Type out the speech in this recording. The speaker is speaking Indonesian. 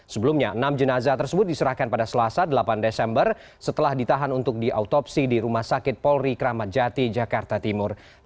sebelumnya enam jenazah tersebut diserahkan pada selasa delapan desember setelah ditahan untuk diautopsi di rumah sakit polri kramat jati jakarta timur